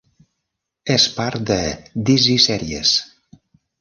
És part de "Dizzy series".